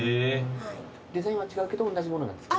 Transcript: デザインは違うけど同じ物なんですか？